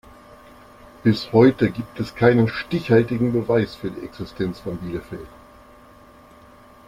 Bis heute gibt es keinen stichhaltigen Beweis für die Existenz von Bielefeld.